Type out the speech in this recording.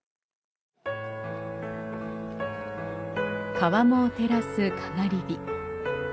川面を照らすかがり火。